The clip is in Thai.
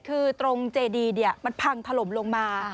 คือตรงเจดีมันพังถล่มลงมา